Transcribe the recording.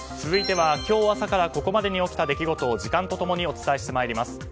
続いては今日朝からここまでに起きた出来事を時間と共にお伝えしてまいります。